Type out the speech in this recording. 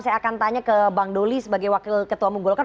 saya akan tanya ke bang doli sebagai wakil ketua umum golkar